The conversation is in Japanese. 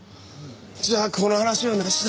じゃあこの話はなしだ。